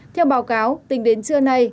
theo báo cáo tính đến trưa nay